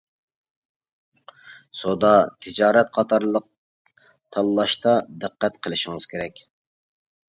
سودا-تىجارەت قاتارلىق تاللاشتا دىققەت قىلىشىڭىز كېرەك.